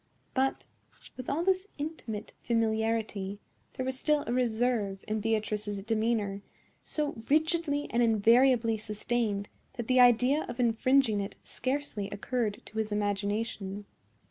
But, with all this intimate familiarity, there was still a reserve in Beatrice's demeanor, so rigidly and invariably sustained that the idea of infringing it scarcely occurred to his imagination.